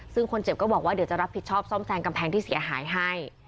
ซึ่งคนเจ็บก็บอกว่าเดี๋ยวจะรับผิดชอบซ่อมแซมกำแพงที่เสียหายให้